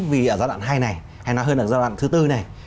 vì ở giai đoạn hai này hay nói hơn là giai đoạn thứ tư này